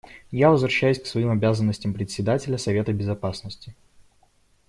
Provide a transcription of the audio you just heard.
Я возвращаюсь к своим обязанностям Председателя Совета Безопасности.